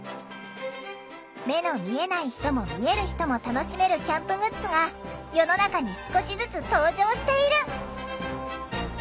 目の見えない人も見える人も楽しめるキャンプグッズが世の中に少しずつ登場している！